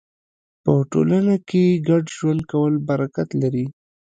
په ټولنه کې ګډ ژوند کول برکت لري.